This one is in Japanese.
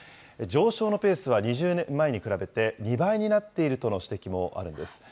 上昇のペースは２０年前に比べて２倍になっているとの指摘もあるんです。